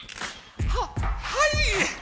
はっはい！